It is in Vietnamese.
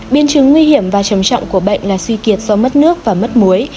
biến chứng nguy hiểm và trầm trọng của bệnh là suy kiệt do mất nước và mất muối